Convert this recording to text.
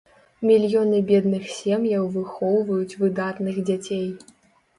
Мільёны бедных сем'яў выхоўваюць выдатных дзяцей.